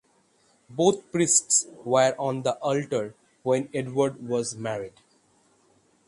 Both priests were on the altar when Edward was married.